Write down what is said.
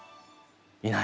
いない。